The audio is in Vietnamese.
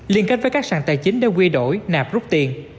liên kết với các sàn tài chính để quy đổi nạp rút tiền